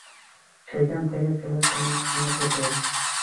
সেইখান থেকে ছেলের কান্না শুনে ছুটে এলেন।